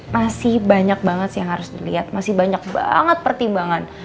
masih banyak banget sih yang harus dilihat masih banyak banget pertimbangan